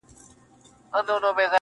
څارنوال ودغه راز ته نه پوهېږي,